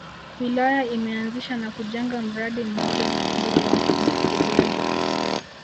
Wilaya imeanzisha na kujenga mradi mmoja mkubwa wa umwagiliaji